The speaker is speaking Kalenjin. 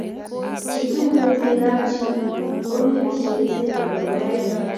chi tugul netinye kab chi ko mi bishiet nenyalu koai